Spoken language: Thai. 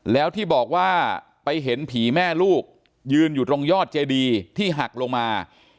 แล้วที่บอกว่าไปเห็นผีแม่ลูกยืนอยู่ตรงยอดเจดีที่หักลงมา